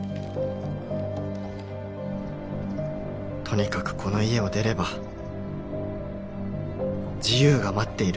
とにかくこの家を出れば自由が待っている